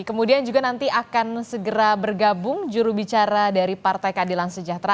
kemudian juga nanti akan segera bergabung jurubicara dari partai keadilan sejahtera